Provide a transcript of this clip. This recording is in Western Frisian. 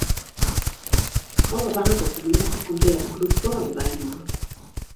Alle woansdeitemoarnen komt dêr in groep froulju byinoar.